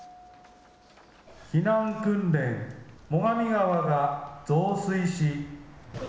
避難訓練、最上川が増水し。